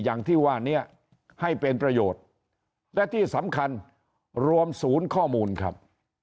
อย่างที่ว่านี้ให้เป็นประโยชน์และที่สำคัญรวมศูนย์ข้อมูลครับ